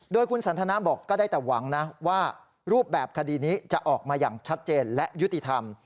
โดยคุณสันทนาบอกก็ได้แต่หวังนะว่ารูปแบบคดีนี้จะออกมาอย่างชัดเจนและยุติธรรม